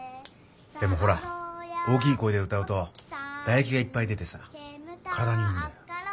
でもほら大きい声で歌うとだえきがいっぱい出てさ体にいいんだよ。